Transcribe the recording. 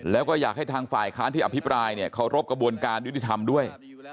แล้วก็อยากให้ทางฝ่ายค้านที่อภิปรายเนี่ยเคารพกระบวนการยุติธรรมด้วย